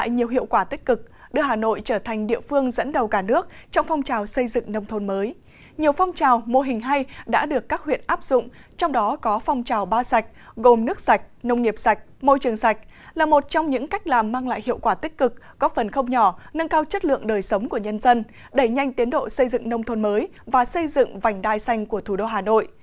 nhiều phong trào xây dựng nông thôn mới đã được các huyện áp dụng trong đó có phong trào ba sạch gồm nước sạch nông nghiệp sạch môi trường sạch là một trong những cách làm mang lại hiệu quả tích cực góp phần không nhỏ nâng cao chất lượng đời sống của nhân dân đẩy nhanh tiến độ xây dựng nông thôn mới và xây dựng vành đai xanh của thủ đô hà nội